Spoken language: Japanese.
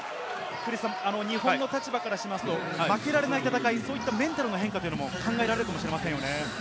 日本の立場からしますと負けられない戦い、そういったメンタルの変化も考えられるかもしれませんね。